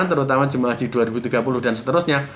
terutama jemaah haji dua ribu tiga puluh dan seterusnya